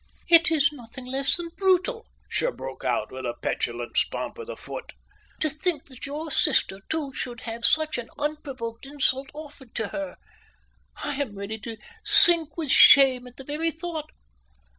"It is nothing less than brutal," she broke out, with a petulant stamp of the foot. "To think that your sister, too, should have such an unprovoked insult offered to her! I am ready to sink with shame at the very thought."